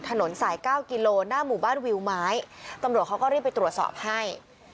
ถนนสายเก้ากิโลหน้าหมู่บ้านวิวไม้ตำรวจเขาก็รีบไปตรวจสอบให้